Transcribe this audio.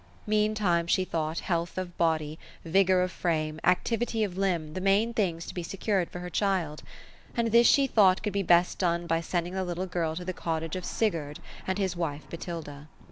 Meantime she thought health of body, vigour of frame, activity of limb, the main things to be secured for her child ; and this she thought could best be done by sending the little girl to the cottage of Sigurd and his wife Botilda.